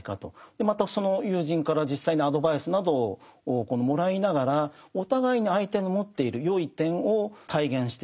またその友人から実際にアドバイスなどをもらいながらお互いに相手の持っている善い点を体現していく。